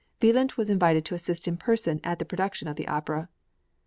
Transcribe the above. Wieland was invited to assist in person at the production of his opera.